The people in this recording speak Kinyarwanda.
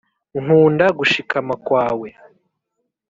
nkunda gushikama kwawe